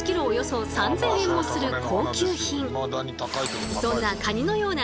およそ３，０００円もする高級品。